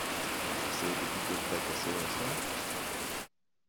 C'est depuis qu'elle t'a cassé au restaurant?